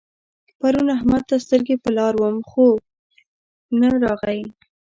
پرون احمد ته سترګې پر لار وم خو نه راغی.